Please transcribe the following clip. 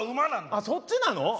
あっそっちなの？